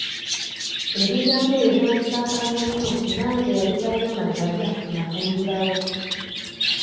Ebigambo ebyo byanzikakkanya nnyo era nze eyali talina na galya nnagafunirawo.